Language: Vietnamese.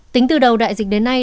tính từ đầu đại dịch đến nay